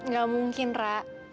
gak mungkin ra